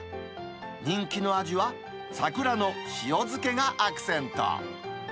人気の味は、桜の塩漬けがアクセント。